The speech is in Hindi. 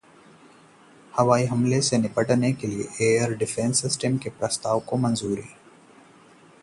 हवाई हमले से निपटने के लिए एयर डिफेंस सिस्टम के प्रस्ताव को मंजूरी